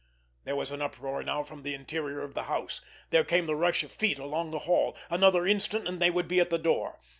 There was an uproar now from the interior of the house. There came the rush of feet along the hall. Another instant and they would be at the door.